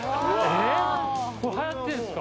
はやってるんですか？